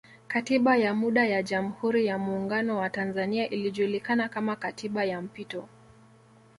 Katiba ya muda ya jamhuri ya muungano wa tanzania ilijulikana kama Katiba ya mpito